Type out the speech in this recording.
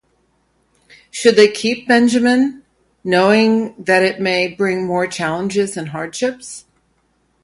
Should they keep Benjamin, knowing that it may bring more challenges and hardships?